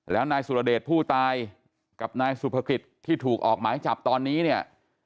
แล้วนายสุรเดชผู้ตายกับนายสุภกิจที่ถูกออกหมายจับตอนนี้เนี่ย